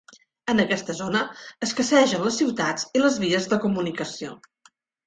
En aquesta zona escassegen les ciutats i les vies de comunicació.